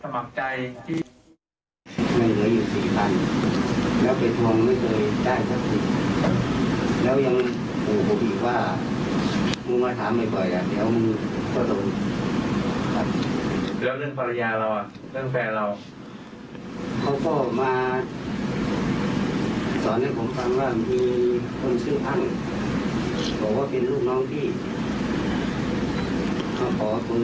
เพราะว่าคุณมีโทรศัพท์ของคุณก็เลยเกิดความเหนื่อยห่วง